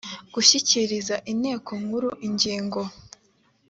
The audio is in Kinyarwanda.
gushyikiriza inteko nkuru ingingo